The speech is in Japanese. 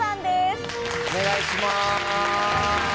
お願いします。